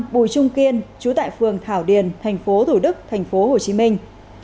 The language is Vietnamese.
năm bùi trung kiên trú tại phường thảo điền tp thủ đức tp hồ chí minh